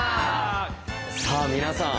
さあ皆さん